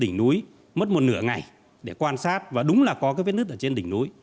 đỉnh núi mất một nửa ngày để quan sát và đúng là có cái vết nứt ở trên đỉnh núi